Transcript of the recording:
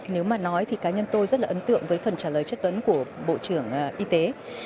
nếu mà nói thì cá nhân tôi rất là ấn tượng với phần trả lời chất vấn của bộ trưởng y tế